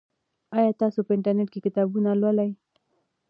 آیا تاسو په انټرنیټ کې کتابونه لولئ؟